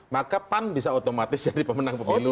maka pan bisa otomatis jadi pemenang pemilu